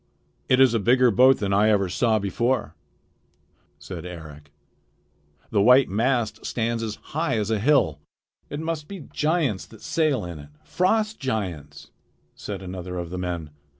"It is a bigger boat than I ever saw before," said Eric. "The white mast stands as high as a hill." "It must be giants that sail in it, frost giants," said another of the men.